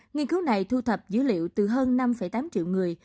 nghiên cứu này thu thập dữ liệu từ hơn năm tám triệu người